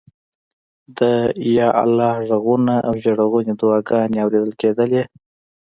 د یا الله غږونه او ژړغونې دعاګانې اورېدل کېدلې.